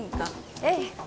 ええ。